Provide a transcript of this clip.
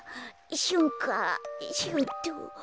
しゅんかしゅうとう。